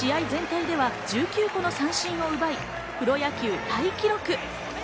全編では１９個の三振を奪い、プロ野球タイ記録。